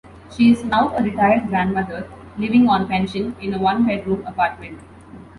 She is now a retired grandmother living on pension in a one bedroom apartment.